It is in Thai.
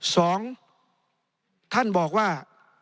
สองท่านบอกว่า